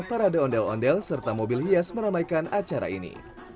parade ondel ondel serta mobil hias meramaikan acara ini